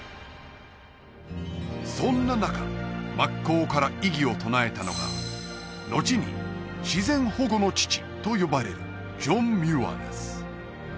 そんな中真っ向から異議を唱えたのがのちに自然保護の父と呼ばれるジョン・ミューアです